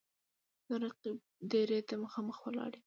د رقیب دېرې ته مـــخامخ ولاړ یـــــم